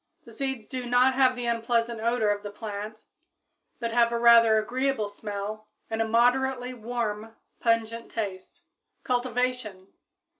The seeds do not have the unpleasant odor of the plant, but have a rather agreeable smell and a moderately warm, pungent taste. _Cultivation.